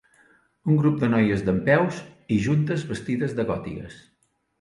Un grup de noies dempeus i juntes vestides de gòtiques